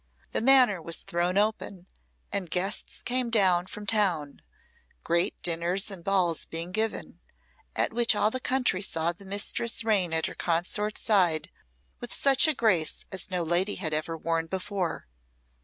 The manor was thrown open, and guests came down from town; great dinners and balls being given, at which all the country saw the mistress reign at her consort's side with such a grace as no lady ever had worn before.